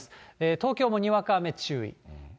東京もにわか雨注意。